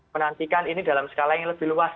menantikan ini dalam skala yang lebih luas